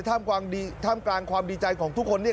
ท่ามกลางความดีใจของทุกคน